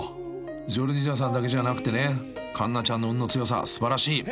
［ジョルジナさんだけじゃなくてね環奈ちゃんの運の強さ素晴らしい］